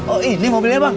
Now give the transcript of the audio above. oh ini mobilnya bang